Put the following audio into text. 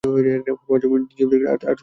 Form জমা দিয়েছি মা - আর তুমি কিছুই বলোনি?